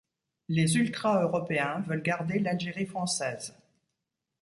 Les ultras européens veulent garder l'Algérie française.